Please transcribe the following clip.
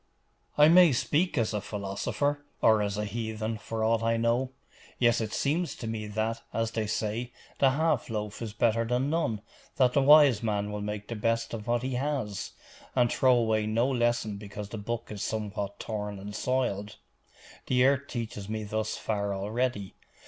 'I may speak as a philosopher, or as a heathen, for aught I know: yet it seems to me that, as they say, the half loaf is better than none; that the wise man will make the best of what he has, and throw away no lesson because the book is somewhat torn and soiled. The earth teaches me thus far already.